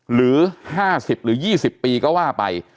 หรือ๕๐หรือ๒๐ปีก็ว่าไป